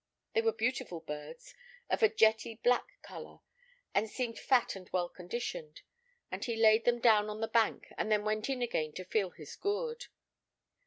They were beautiful birds, of a jetty black colour, and seemed fat and well conditioned; and he laid them down on the bank, and then went in again to fill his gourd.